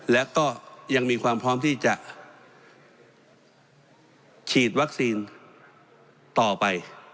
และก็ยังมีความพร้อมที่จะฉีดวัคซีนต่อไป